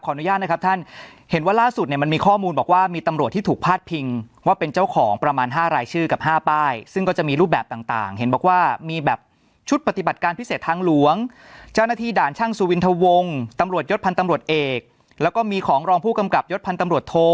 อนุญาตนะครับท่านเห็นว่าล่าสุดเนี่ยมันมีข้อมูลบอกว่ามีตำรวจที่ถูกพาดพิงว่าเป็นเจ้าของประมาณ๕รายชื่อกับ๕ป้ายซึ่งก็จะมีรูปแบบต่างเห็นบอกว่ามีแบบชุดปฏิบัติการพิเศษทางหลวงเจ้าหน้าที่ด่านช่างสุวินทะวงตำรวจยศพันธ์ตำรวจเอกแล้วก็มีของรองผู้กำกับยศพันธ์ตำรวจโท